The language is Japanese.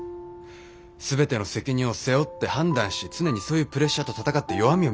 全ての責任を背負って判断し常にそういうプレッシャーと闘って弱みを見せない。